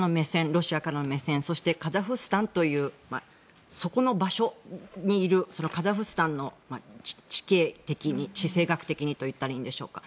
ロシアからの目線そしてカザフスタンというそこの場所にいるカザフスタンの地形的に地政学的にと言ったらいいんでしょうか。